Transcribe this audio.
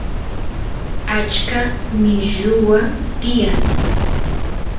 achka milluwa tiyan